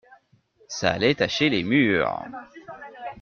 Ça allait tacher les murs.